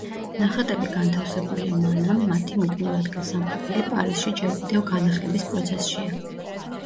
ნახატები განთავსებულია მანამ, მათი მუდმივი ადგილსამყოფელი პარიზში ჯერ კიდევ განახლების პროცესშია.